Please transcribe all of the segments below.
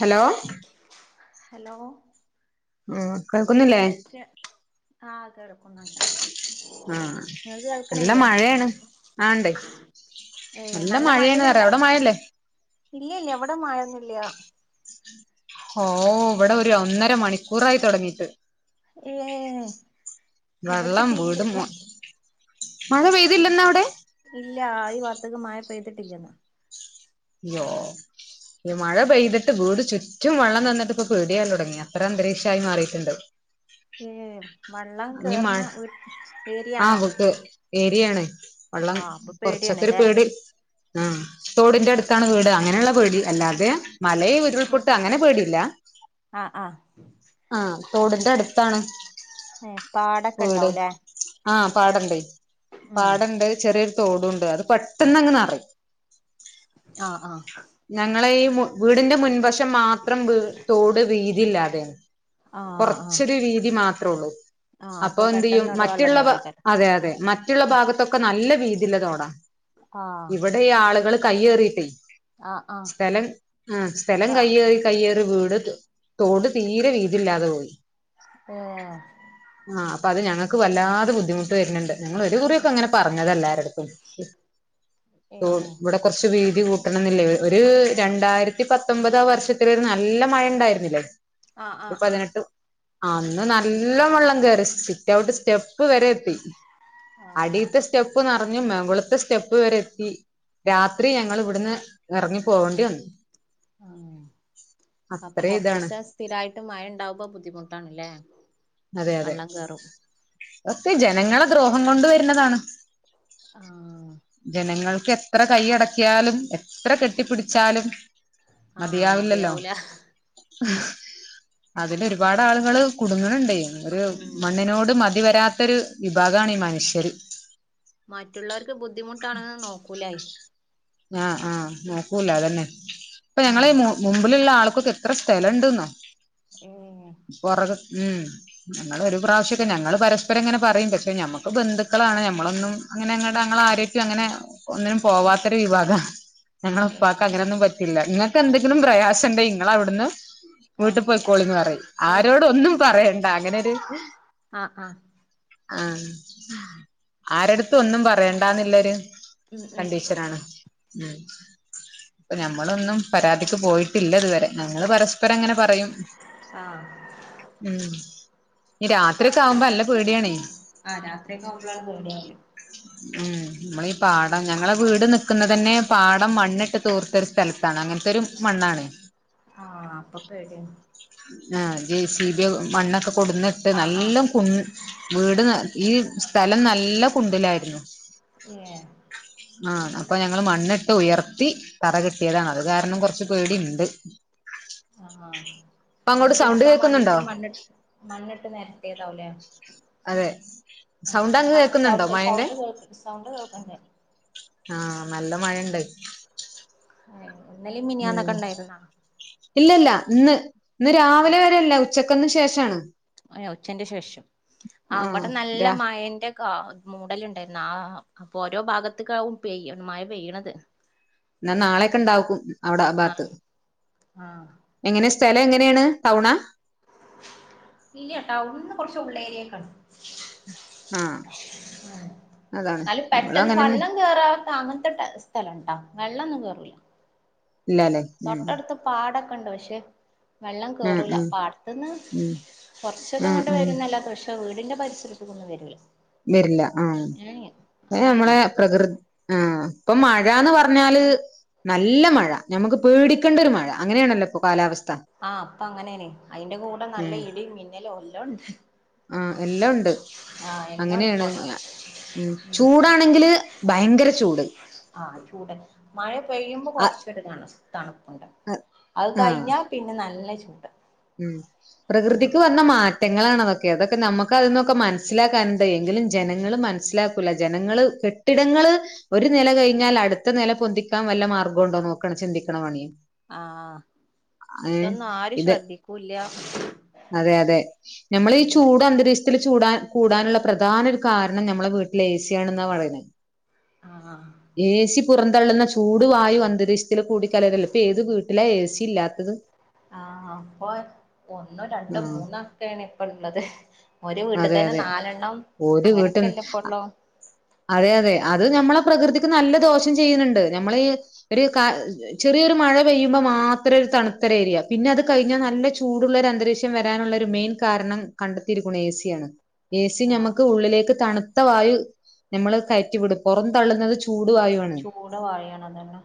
Hello hello ആഹ് കേൾക്കുന്നില്ലേ ആഹ് കേൾ ആഹ് നിങ്ങക്ക് നല്ല കേൾക്കണില്ലേ മഴയാണ് ആണ്ടേ ഏ നല്ല മഴയാണ് മഴേണ് പറയാ അവിടെ മഴല്ലേ ഇല്ലില്ല ഇവിടെ മഴയൊന്നൂല്യ ഉ ഓഹ് ഇവിടെ ഒരു ഒന്നര മണിക്കൂറായി തൊടങ്ങീട്ട് ഏ ഇവിടക്ക് വെള്ളം തീരെ വീട് ന്ന് മൊ മഴ പെയ്തില്ലെന്നാ അവിടെ ഇല്ലാ ഈ ഭാഗത്ത്ക്ക് മയ പെയ്തിട്ടില്യന്ന് അയ്യോ ഈ മഴ പെയ്തിട്ട് വീട് ചുറ്റും വെള്ളം നിന്നിട്ട് ഇപ്പൊ പേടിയാവാൻ തുടങ്ങിയാ അത്ര അന്തരീക്ഷായി മാറീട്ടുണ്ട് ഏ വെള്ളം മഴ കേറിന ഒരു ആഹ് ഏരിയാണോ വീട്ട് ഏരിയാണ് വെള്ളം ആഹ് അപ്പൊ കൊറച്ചൊക്കെ ഒരു പേടിയാണല്ലേ പേടി ആഹ് തോടിന്റെ അടുത്താണ് വീട് അങ്ങനെയുള്ള പേടി അല്ലാതെ മലയും ഉരുൾപൊട്ട് അങ്ങനെ പേടീല്ല ആഹ് ആഹ് ആഹ് തോടിന്റെ അടുത്താണ് ഉം വീട് ആഹ് പാടംണ്ട് ഉം പാടംണ്ട് ചെറിയൊരു തോടുംണ്ട് അത് പെട്ടെന്നങ്ങ് നിറയും ആഹ് ആഹ് ഞങ്ങളെ ഈ വീടിന്റെ മുൻവശം മാത്രം വീ തോട് വീതിയില്ലാതെയാ ആഹ് ആഹ് കൊറച്ചൊരു വീതി മാത്രേ ഉള്ളൂ ആഹ് അപ്പൊ എന്ത് ചെയ്യും പെട്ടെന്ന് അവിടെ വെള്ളം മറ്റുള്ള കേറിക്കാരം അതെ അതെ മറ്റുള്ള ആഹ് ഭാഗത്തൊക്കെ നല്ല വീതിള്ള തോടാ ആഹ് ഇവിടെ ഈ ആളുകൾ കൈയേറിയിട്ടേ ആഹ് ആഹ് സ്ഥലം ആഹ് ക്ക സ്ഥലം കൈയേ കയ്യേറി വീട് തോട് തീരെ വീതില്ലാതെ പോയി ഓഹ് ആഹ് അപ്പ അത് ഞങ്ങക്ക് വല്ലാതെ ബുദ്ധിമുട്ട് വരുന്നുണ്ട് ഞങ്ങൾ ഒരു കുറിയൊക്കെ അങ്ങനെ പറഞ്ഞതാ എല്ലാരടുത്തും ബെസ്റ്റ് ഓ ഏഹ് ഇവിടെ കുറച്ച് വീതി കൂട്ടണംന്നില്ലേ ഒരു രണ്ടായിരത്തി പത്തൊമ്പത് വർഷത്തിലൊരു നല്ല മഴ ണ്ടായിരുന്നില്ലേ ആഹ് ഒരു ആഹ് ആഹ് പതിനെട്ട് അന്ന് നല്ല ല്ല വെള്ളം കേറി സിറ്റ്ഔട്ട് സ്റ്റെപ്പ് വരെ എത്തി അടി ആഹ് സ്റ്റെപ്പ് നിറഞ്ഞു മേങ്കുളത്തെ സ്റ്റെപ്പ് വരെ എത്തി രാത്രി ഞങ്ങളിവിടുന്ന് ഇറങ്ങി പോകേണ്ടി വന്നു ഉ അപ്പൊ അത്രയും ഇതാണ് കൊറച്ച്സ സ്ഥിരമായിട്ട് മഴ ഉണ്ടാവുമ്പോ ബുദ്ധിമുട്ടാണല്ലേ അതെ അതെ ഒക്കെ ജനങ്ങളെ ദ്രോഹം കൊണ്ട് വരുന്നതാണ് ആഹ് ജനങ്ങൾക്ക് എത്ര കൈ അടക്കിയാലും എത്ര കെട്ടിപ്പിടിച്ചാലും ആഹ് മതിയാവില്ലല്ലോ മതിയാവൂല അതില് ഒരുപാട് ആളുകൾ കുടുങ്ങണുണ്ട ഒരു ഉം മണ്ണിനോട് മതിവരാത്തരു വിഭാഗമാണ് ഈ മനുഷ്യര് മറ്റുള്ളവർക്ക് ബുദ്ധിമുട്ടാണെന്ന് നോക്കൂലായി ആ ആ് നോക്കൂല അതന്നെ അപ്പൊ ഞങ്ങള ഉം മുമ്പിലുള്ള ആൾക്കൊക്കെ എത്ര സ്ഥലംഉണ്ടുന്നോ ഏ പുറക ഉം ഞങ്ങള് ഒരു പ്രാവശ്യൊക്കെ ഞങ്ങൾ പരസ്പരം ഇങ്ങനെ പറയും പക്ഷെ ഞമ്മക്ക് ബന്ധുക്കളാണ് ഞമ്മളൊന്നും അങ്ങനെ ഞങ്ങട്ട ഞങ്ങൾ ആരക്കും അങ്ങനെ ഒന്നിനും പോവാത്തരു വിഭാഗാ ഞങ്ങടെ ഏഹ് ഉപ്പക്ക് അങ്ങനെ ഒന്നും പറ്റ നിങ്ങൾക്ക് എന്തെങ്കിലും പ്രയാസം ഉണ്ടേ നിങ്ങള അവിടുന്ന് വീട്ടു ആഹ് പോൊയിക്കോളിന്ന് പറയും ആഹ് ആരോടും ഒന്നും പറയണ്ട അങ്ങനരു ആഹ് ആഹ് ആഹ ആരടുത്തും ഒന്നും പറയണ്ടന്നുള്ളൊരു ഉം ഉം കണ്ടീഷനാണ് ഉ ഞമ്മളൊന്നും പരാതിക്ക് പോയിട്ടില്ല ഇതുവരെ ഞങ്ങള് പരസ്പം ഇപ്പരങ്ങനെ പറയും ആഹ് ഉ നീ രാത്രിയ ഒക്കെ ആകുമ്പോ നല്ല പേടിയണേ ആ രാത്യൊക്കെകുമ്പോാണ് പേടിയാവേ ഉം നമ്മളീഈ പാടം ഞങ്ങളെ വീട് നിക്കുന്നത് തന്നെ പാടം മണ്ണിട്ട് തുർത്തെച്ച സ്ഥലത്താണ് അങ്ങനത്തെ ഒരു മണ്ണാണ് ആഹ് അപ്പൊ പേടിയാണ് ആ ജേ സി ബി മണ്ണൊക്കെ കൊടുന്നിട്ട് ആഹ് നല്ല ആഹ് കുന്ന വീട് ഈ സ്ഥലം നല്ല കുണ്ടിലായിരുന്നു ഏഹ് ആഹ അപ്പൊ ഞങ്ങള് മണ്ണിട്ട് ഉയർത്തി തറ കെട്ടിയതാണ് അത് കാരണം കുറച്ച് പേടിയുണ്ട് ആഹ വീട് സൗണ്ട് എടുക്കാൻ കേൾക്കുന്നുണ്ടോ വേണ്ടിട്ട് മണ്ണി് മണ്ണിട്ട് നേരത്തേതാവലേ അതെ ആ സൗണ്ട് അങ്ങ് ആ കേൾക്കുന്നുണ്ടോ സൗണ്ട് മഴന്റെ സൗണ്ട് കേൾക്ക് സൗണ്ട് കേൾക്കണ്ടേ ആഹ നല്ല മഴയുണ്ട് യ് എന്നാലും ഉം മിനിയാന്നൊക്കെ ഉണ്ടായിരുന്നോ ഇല്ലല്ല ഇന്ന് ഇന്ന് രാവിലെ വരെല്ല ഉച്ചക്കന്ന് ശേഷമാണ് ഉച്ചന്റെ ശേഷം ആഹ് അവിടെ നല്ല രാ മായന്റെ മൂടലുണ്ടായിരുന്നു ആ അപ്പൊ ഓരോ ഭാഗത്തക്കെയ മഴ പെയ്യണത് എന്നാ നാളെയൊക്കെ ഉണ്ടാവക്കും അവിടെ ആ ഭാഗത്ത് ആഹ് ആഹ് എങ്ങനെ സ്ഥലം എങ്ങനെയാണ് ടൗണ ഇല്ല ടൗണന്ന് കുറച്ച് ഉള്ളേരിയേക്കാണ് ആഹ് അതാണ് എന്നാലും ഞങ്ങളും പെട്ടെന്ന് അങ്ങനെന്നെ വെള്ളം കേയറാത്ത അങ്ങനത്തെ സ്ഥലംഉ ണ്ടോ വെള്ളമൊന്നും കേറൂല്ല നന്ന തൊട്ടടുത്ത് പാടൊക്കെ ഇണ്ട് പക്ഷേ വെള്ളം ആഹ് കേറൂല ആഹ് പാട്ത് ന്ന് ഉം കുറച്ചൊക്കെ ആഹ് ങ്ങട്ട് ആഹ് വരുന്നല്ലതെ പഷ് തെ വീടിന്റെ പരിസരത്തൊന്നും വരൂല്ല വരില്ല ആഹ് അയ്മ്മളെ വരൂല പ്രകൃ ആഹ് ഇപ്പൊ മഴന്ന് പറഞ്ഞാല് നല്ല മഴ ഞമ്മുക്ക് പേടിക്കേണ്ട ഒരു മഴ അങ്ങനെയാണല്ലോ പ്പ കാലാവസ് ആഹ് അപ്പ അങ്ങനെനെ അതിന്റെ കൂടെ നല്ല ഇടിയും മിന്നലും എല്ലാം ഉണ്ട് ആഹ് എല്ലാം ഉണ്ട് ആഹ് എല്ലാം ഉണ്ട് അങ്ങനെയാണ് ഇപ്പൊ ഉം ചൂടാണെങ്കില് ഭയങ്കര ചൂട് ആഹ് ചൂടെ മഴ പെയ്യുമ്പോ ആ കുറച്ചരു തണ തണു പ്പ്‌ണ്ട് അഹ് ആ കഴിഞ്ഞാ പിന്നെ നല്ല ചൂട് ഉം പ്രകൃതിക്ക് ആഹ് വന്ന മാറ്റങ്ങളണതൊക്കെ അതൊക്കെ നമുക്ക് അതീന്നൊക്കെ മനസ്സിലാക്കാൻണ്ട് എങ്കിലും ജനങ്ങൾ മനസ്സിലാ ക്കൂല ജനങ്ങള് കെട്ടിടങ്ങള് ഒരു നില കഴിഞ്ഞാൽ അടുത്ത നില പൊന്തിക്കാൻ വല്ല മാർഗോണ്ടോ നോക്ണ ചിന്തിക്ണ പണി ആഹ് ഏ ഇതൊന്നും ആരും ഇത് ശ്രദ്ധിക്കൂല്ല അതെ അതെ നമ്മൾ ഈ ചൂട് അന്തരീക്ഷത്തിൽ ചൂടാൻ കൂടാനുള്ള പ്രധാന ഒരു കാരണം ഞ മ്മളെ വീട്ടിൽ ഏ സിയ ആണെന്നാ പറയന്നെ ആഹ് ആഹ് എ സി പുറന്തള്ളുന്ന ചൂട് വായു അന്തരീക്ഷത്തിൽ കൂടി കലരല്ല ഇപ്പൊ ഏത് വീട്ടിലാ ഏ സി ഇല്ലാത്തത് ആഹ് അപ്പൊ ഒന്നോ രണ്ടോ ആഹ് മൂന്നോ ഒക്കെയ ആണ് ഇപ്പള്ളത് ഒരു വീട്ടി അതെ തന്നെ അതെ നാലെണ്ണം ഒരു വീട്ടിൽ അങ്ങനെയൊക്കെല്ല ഇപ്പള്ളോ അതെ അതെ അത് നമ്മളെ പ്രകൃതിക്ക് നല്ല ദോഷം ചെയ്യുന്നുണ്ട് നമ്മള് ഒരു കാ ചെറിയൊരു മഴ പെയ്യുമ്പോ മാത്രം ഒരു തണുത്തര ഏരിയ പിന്നെ അത് കഴിഞ്ഞാൽ നല്ല ചൂടുള്ളരു അന്തരീക്ഷ റ്റം വരാനുള്ള ഒരു മെയിൻ കാരണം കണ്ടെത്തിയിരിക്കുന്നു ഏ സിയാണ് എ സി ആഹ് നമുക്ക് ഉള്ളിലേക്ക് തണുത്ത വായു നമ്മള് കയറ്റി വിടും പുറം തള്ളുന്നത് ചൂടുവായുവാണ് ചൂട വാഴയാണ് അതന്നെ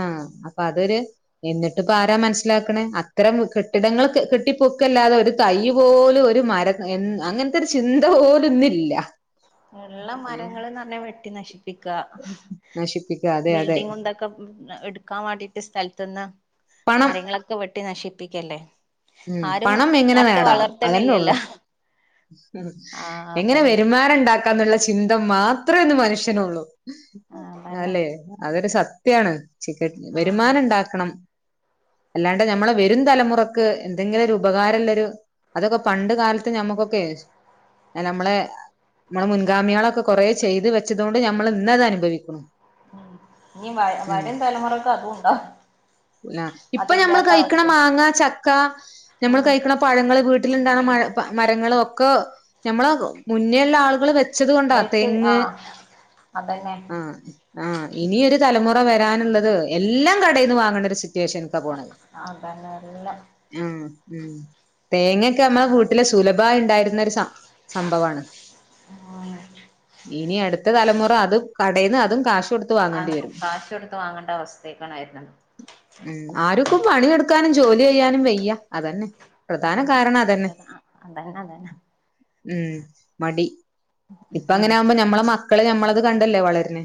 ഏഹ് അപ്പൊ അതൊരു എന്നിട്ട്പ്പ ആരാ മനസ്സിലാക്കണേ അത്രം കെട്ടിടങ്ങൾ കെട്ടി പൊക്കല്ലാതെ ഒരു തയ്യ് പോലും ഒരു മരം എൻ അങ്ങൻത്തെ ഒരു ചിന്ത പോലുംന്നില്ല ഇള്ള മരങ്ങള് ന്നറഞ്ഞാ വെട്ടി നശിപ്പിക്ക നശിപ്പിക്കുക അതെ അതെ ബിൽഡിങ്ങും ഇതൊ ക്കെ എടുക്കാൻ വേണ്ടിട്ട് സ്ഥലത് ന്ന് പണം മരങ്ങളൊക്കെ വെട്ടി നശിപ്പിക്കല്ലേ ഉം ആരും പണം എങ്ങനെ നട്ട് വളർത്തണില്ലല്ല ഉം എങ്ങനെ വെരുമാനണ്ടാക് ക്കാന്നുള്ള ചിന്ത മാത്രേ ന്ന് മനുഷ്യനള്ളൂ ആഹ് അതന്നെ അല്ലെ അതൊരു സത് ത്യാണ് ആഹ് വരുമാനം ണ്ടാക്കണം അല്ലാണ്ട് നമ്മള് വരും തലമുറ ക്ക് എന്തെങ്കിലും ഒരു ഉപകാരംമല്ലരു അതൊക്കെ പണ്ട് കാലത്ത് ഞമ്മുക്കൊക്കെ ആഹ് നമ്മളെ മ്മളെ മുൻഗാമികളൊക്കെ കൊറേ ചെയ്ത് വെച്ചതോണ്ട് ഞമ്മള് ഇന്നത് അനുഭവികുണു ഉം ഇനി വ വരും തലമുറക്ക് അതും ഉണ്ടോ ഇപ്പൊ നമ്മള് കഴിക്കണ മാങ്ങ ചക്ക ഞമ്മൾ ആഹ് കഴിക്ക ണ പഴങ്ങള് വീട്ടില്ണ്ടാണ മഴ മരങ്ങളൊക്കെ നമ്മള് മുന്നേള്ള ആളുകള് വ ച്ചത് കൊണ്ടാ വൈറ്റ് തെങ്ങ് ആഹ് അതന്നെ ആഹ് ആഹ് ഇനിയൊരു തലമുറ വരാനുള്ളത് എല്ലാം കടയിൽ നിന്ന് വാങ്ങണ്ട ഒരു സിറ്റുവേഷൻക്കാ പോണത് അത നല്ല ഉം ഉം തേങ്ങയൊക്കെ നമ്മളെ വീട്ടിലെ സുലഭായി ഇണ്ടായിരുന്നൊരു സ സംഭവാണ്. [unintelligible] ഇനി അടുത്ത തലമുറ അത് കടേന്ന് അതും കാഷ് കാ ആഹ് കാശ് കൊട്ത്ത് വാങ്ങണ്ട അവസ്ഥയക്കാണായിരുന്ന് ഉം ആര്ക്കും പണിയെടുക്കാനും ജോലി ചെയ്യാനും വെയ്യാ അതന്നെ പ്രധാന അതന്നെ കാരണം അതന്നെ [unintelligible] അതന്നെ അതന്നെ ഉം മടി ഇപ്പ ഉം അങ്ങനെ ആവുമ്പോ ഞമ്മളെ മക്കള് ഞമ്മളത് കണ്ടല്ലേ വളരണ്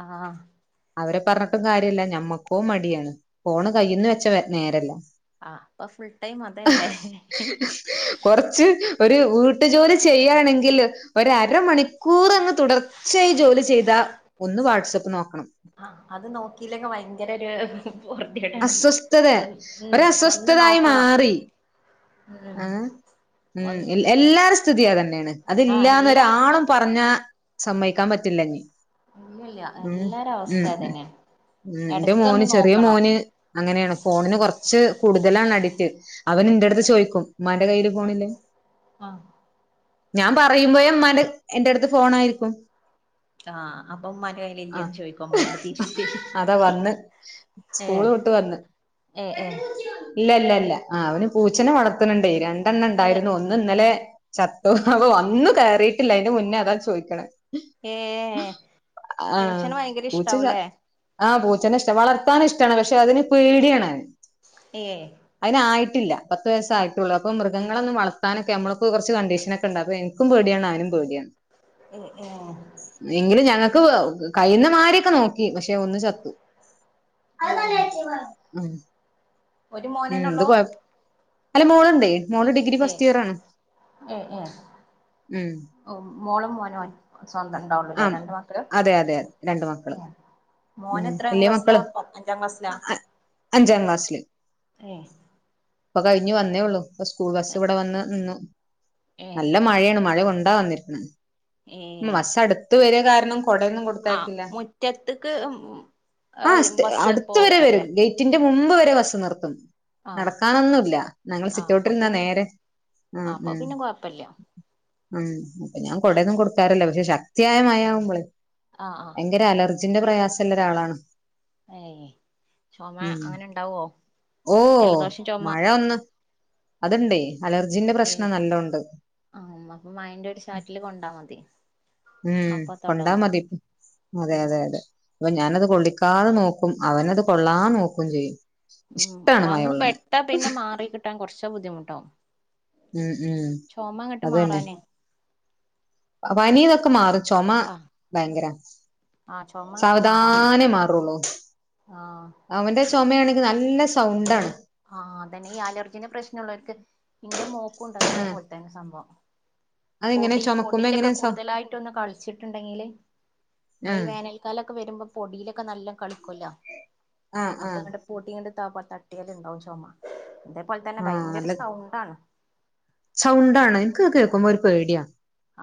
ആഹ് അവരെ പറഞ്ഞിട്ടും കാര്യല്ലാ ഞമ്മക്കോ മടിയാണ് ഫോണ് കൈയ്യ്ന്ന് വെച്ച വെ നേരെല്ലാ ആഹ് ഇപ്പം ഫുൾ ടൈം അതല്ലേ കൊറച്ച് ഒര് വീട്ടു ജോലി ചെയ്യാണെങ്കില് ഒരര മണിക്കൂറ് അങ്ങ് തുടർച്ചയായി ജോലി ചെയ്താ ഒന്ന് വാട്സപ്പ് നോക്കണം ആഹ് അത് നോക്കില്ലെങ്ക് ഭയങ്കര ഒര് പൊറ്തി കേടാണ് അസ്വസ്ഥത ഒൻ ഉം ഒന്ന് ഒരസ്വസ്ഥതായി നോക്കണം മാറി ഉം ആഹ് ഉം ഒന്ന് എൽ ഉം എല്ലാരേം സ്ഥിതി അതെന്നെയാണ് ആഹ് അതില്ലാന്ന് എല്ലായിടത്തും ഒരാളും പറഞ്ഞാ സമ്മയിക്കാൻ പറ്റില്ലെന്നി ഇല്ല ഇല്ല എല്ലാരെ അവസ്ഥേം അതെന്നെയാ ഉം ഇന്റെ മോന് ചെറിയ മോന് അങ്ങനെയാണ് ഫോണിന് കൊറച് ച്ച് കൂടുതലാണ് അടിക്റ്റ് അവൻ ഇന്റെട്ത്ത് ചോയിക് ഉമ്മാന്റെ കൈയ്യില് ആഹ് ഫോണില്ലേ ആഹ് ഞാൻ പറയുമ്പഴെ ഉമ്മാന്റെ എന്റെടുത്ത് ഫോണായിരിക്കും. ആഹ് അപ്പം ഉമ്മാൻ്റെ ആഹ് കൈയ്യിലില്ലേന്ന് ചോയിക്കും അമ്മളോട് തിരിച്ച്. അതാ വന്ന് സ്കൂള് ഏഹ് വിട്ട് വന്ന്. ഏഹ് ഏഹ് ഇല്ല ഇല്ല ഇല്ല ആഹ് അവന് പൂച്ചെനെ വളത്ത്ന്ന്ണ്ടേ രണ്ടെണ്ണം ഏഹ് ഇണ്ടായിരുന്നു ഒന്ന് ന്ന് ഇന്നലെ ചത്തു അപ്പം വന്ന് കയറീട്ടില്ലാ അതിന്റെ മുന്നേ അതാ ചോയിക്കണ്. ഏഹ് ആഹ് പൂച്ചേനെ ഭയങ്കര പൂച്ച ച ഇഷ്ട്ടാവൂലേ? ആഹ് പൂച്ചേനെ ഇഷ്ട്ടാ വളർത്താന് ഇഷ്ട്ടാണ് പക്ഷെ അതിന് പേടിയാണ്. ഏഹ് അയിന് ആയിട്ടില്ലാ പത്ത് വയസ്സായി ത്തുള്ളൂ അപ്പം മൃഗങ്ങളൊന്നും വളത്താനൊക്കെ നമ്മൾക്ക് കൊറച്ച് കണ്ടീഷനൊക്കെ ഇണ്ട് അപ്പം എന്ക്കും പേടിയാണ് അവനും പേടിയാണ്. ഉം ഉം എങ്കിലും ഞങ്ങക്ക് കഴിയുന്നമാരിയൊക്കെ നോക്കി പക്ഷെ ഒന്ന് ചത്തു. ഏഹ് ഉം ഒരു ഉം ഇത് മോനന്നെള്ളൂ കൊയ അല്ല മോള്ണ്ടെ മോള് ഡിഗ്രി ഏഹ് ഫസ്റ്റ് ഇയർ ആണ് ഉം ഓഹ് മോളും മോനും സ്വന്തം ഇണ്ടാവുള്ളൂല്ലേ ആഹ് രണ്ട് മാക്കള് അതെ അതെ അതെ രണ്ട് മക്കള് ഏഹ് ഉം മോനെത്രാം വല്യ ക്ലാസ്സിലാ മക്കള് പത് അഞ്ചാം ക്ലാസ്സിലാ ഏഹ് ഇപ്പ കഴിഞ്ഞു വന്നേ ഒള്ളു ഇപ്പം സ്കൂൾ ബസ്സ് ഇവിടെ വന്ന് നിന്നു. ഏഹ് നല്ല മഴയാണ് മഴ കൊണ്ടാ വന്നിരിക്ക്ണെ ഉം ഏഹ് ബസ്സ് അടുത്ത് വെരാ കാരണം കൊടയൊന്നും ആഹ് കൊടുത്തയക്കില്ല മുറ്റത്ത്ക്ക് ഉം ഉം ആഹ് സ്റ്റേ അടുത്ത് വരെ വെരും ഗേറ്റിന്റെ മുമ്പ് വരെ ബസ്സ് നിർത്തും. ആഹ് നടക്കാനൊന്നുല്ലാ ഞങ്ങളെ സിറ്റൗട്ടിരുന്നാ നേരെ ആഹ് അപ്പ പിന്നെ കൊഴപ്പെല്ലാ. ഉം അപ്പൊ ഞാൻ കുടെന്നും കൊടുക്കാറില്ലംപക്ഷെ ശക്തിയായ മഴയാവുമ്പോളെ ആഹ് ആഹ് ഭയങ്കര അലർജിന്റെ പ്രയാസുള്ള ഒരാളാണ്. ഏഹ് ചുമ ഉം അങ്ങനെ ഉണ്ടാവുവോ ഓഹ് ജലദോഷം ചുമ. മഴ ഒന്ന് അതുണ്ടേ അലർജിന്റെ പ്രശ്നം നല്ലം ഉണ്ട്. ആ അപ്പൊ മയേന്റെ ഒരു ചാറ്റല് കൊണ്ടാ മതി. ഉം അപ്പൊ കൊണ്ടാ തുടങ്ങും മതി അതെ അതെ അതെ അപ്പൊ ഞാനത് കൊള്ളിക്കാതെ നോക്കും അവനത് കൊള്ളാൻ നോക്കുകയും ചെയ്യും. ഉം ഇഷ്ടാണ് വന്ന് മഴവെള്ളണെ പെട്ടാ പിന്നെ മാറി കിട്ടാൻ കുറച്ച് ബുദ്ധിമുട്ടാവും. ഉം ഉം ചുമ അങ്ങട്ട് അത് തന്നെ മാറാനേ. പനി ഇതൊക്കെ മാറും ചുമ ആ ഭയങ്കര. ആ ചുമ അങ്ങട്ട് മാറാൻ സാവധാനം മാറുള്ളൂ. ആ അവന്റെ ചുമയാണെങ്കിൽ നല്ല സൗണ്ടാണ്. ആഹ് അതന്നെ ഈ അലർജീന്റെ പ്രശ്നൊള്ളോർക്ക് ഇന്റെ മോക്കുണ്ട് ആ അതേപോലെ. ആ സംഭവം അതിങ്ങനെ പൊടി ചുമക്കുമ്പോ എങ്ങനെ പൊടിയിലൊക്കെ സൗ കൂടുതലായിട്ടൊന്ന് കളിച്ചിട്ടുണ്ടെങ്കില് ആ നമ്മളീ വേനൽക്കാലൊക്കെ വരുമ്പോ പൊടിയിലൊക്കെ നല്ലോം കളിക്കൊല്ലോ ആഹ് ആഹ് പൊടി ഇങ്ങെട്ട് താ തട്ടിയാലുണ്ടാവും ചൊമ ഇതേപോലെ തന്നെ ആ ഭയങ്കര നല്ല സൗണ്ടാണ്. സൗണ്ടാണ് എൻക്ക് അത് കേൾക്കുമ്പോ ഒരു പേടിയ.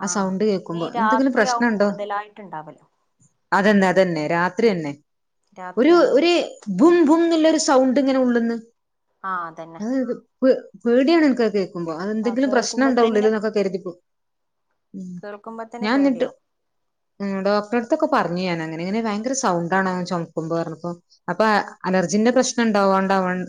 ആ ആഹ് സൗണ്ട് പിന്നെ കേൾക്കുമ്പോ ഈ എന്തെങ്കിലും രാത്രിയാവും പ്രശ്നണ്ടോ കൂടുതലായിട്ടുണ്ടാവല് അതെന്നെ അതെന്നെ രാത്രി ഉം തന്നെ ഒരു രാത്രിയാണ് മു ഒര് ഭും ഭും എന്നുള്ളൊരു സൗണ്ട് ഇങ്ങനെ ഉള്ള്ന്ന് ആഹ് അതന്നെ അ പ് പേടിയാണ് ഇൻക്കത് കേൾക്കു ആഹ് അതെന്തെങ്കിലും പ്രശ്നം കേൾക്കുമ്പോ ഉണ്ടോ ഉള്ളില് തന്നെ എന്നൊക്കെ കരുതിപ്പോവും ഉം കേൾക്കുമ്പോ തന്നെ ഞാൻ എന്നിട്ട് പേടിയാവും ഡോക്ടറടുത്തൊക്കെ പറഞ്ഞു ഞാന് അങ്ങനെയാ ഭയങ്കര സൗണ്ടാണ് അങ്ങെനെ ചൊമക്കുമ്പോ പറഞ്ഞപ്പോ അപ്പൊ അലർജീന്റെ പ്രശ്നം ഇണ്ടാവാണ്ടാവ ആണ്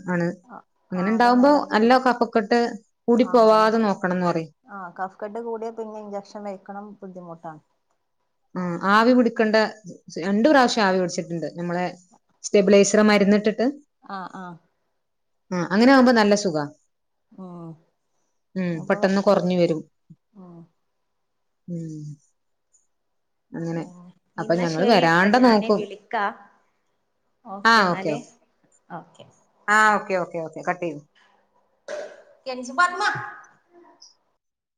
ആഹ് അങ്ങനെ ആഹ് അതന്നെ ഉണ്ടാവുമ്പോ അലർജിണ്ട് നല്ല കഫക്കെട്ട് കൂടി ആഹ് അതന്നെ പോവാതെ നോക്കണംന്ന് പറയും. ആഹ് കഫകയട്ട് കൂടിയ പിന്നെ ഇൻജ്ജക്ഷൻ വെക്കണം ബുദ്ധിമുട്ടാണ്. ആഹ് ആവി പിടിക്കണ്ട് രണ്ടു പ്രാവശ്യം ആവി പിടിച്ചിട്ടുണ്ട് നമ്മളെ സ്റ്റെബിലൈസർ മരുന്നിട്ടിട്ട് ആഹ് ആഹ് ആഹ് അങ്ങനെ ആവുമ്പോ നല്ല സുഖവാ ഉം ഉം അപ്പൊ പെട്ടെന്ന് കൊറച്ചൊരു കുറഞ്ഞ് വരും. ഉം ഉം അങ്ങനെ ഉം അപ്പൊ ഇന്നാ ഞങ്ങള് ശരിട്ടാ വരാണ്ട ഞാന് നോക്കും വിളിക്കാ. ഓക്കെ എന്നാല് ഓക്കെ. ആഹ് ഓക്കെ ഓക്കെ ഓക്കെ കട്ടേയിതൊ കെൻസി പറമ